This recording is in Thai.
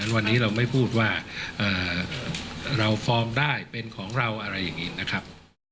วันนี้เราไม่พูดว่าเราฟอร์มได้เป็นของเราอะไรอย่างนี้นะครับ